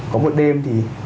có một đêm thì